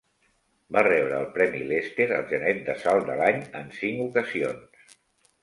Va rebre el Premi Lester al genet de salt de l'any en cinc ocasions.